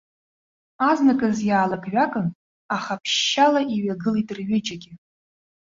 Азныказ иаалакҩакын, аха ԥшьшьала иҩагылеит рҩыџьагьы.